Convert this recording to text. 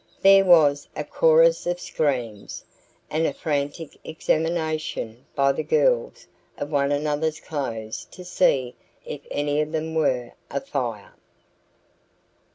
There was a chorus of screams, and a frantic examination, by the girls, of one another's clothes to see if any of them were afire.